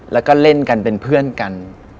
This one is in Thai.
แล้วก็เล่นกันเป็นเพื่อนกัน